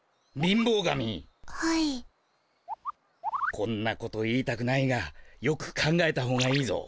こんなこと言いたくないがよく考えたほうがいいぞ。